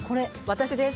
「私です」